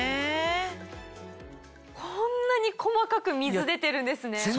こんなに細かく水出てるんですね。